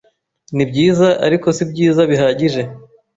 nibyiza, ariko sibyiza bihagije.